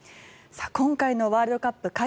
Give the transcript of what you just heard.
今回のワールドカップ